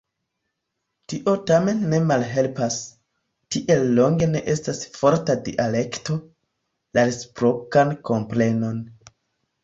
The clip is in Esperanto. Tio tamen ne malhelpas, tiel longe ne estas forta dialekto, la reciprokan komprenon.